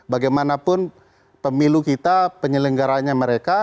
bagaimanapun pemilu kita penyelenggaranya mereka